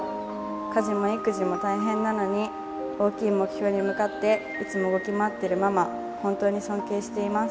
家事も育児も大変なのに、大きい目標に向かっていつも動き回ってるママ、本当に尊敬しています。